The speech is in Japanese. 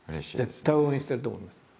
絶対応援してると思います。